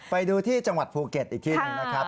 ไปดูที่จังหวัดภูเก็ตอีกที่หนึ่งนะครับ